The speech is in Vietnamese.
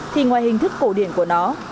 thì ngoài hình thức cổ điển của nó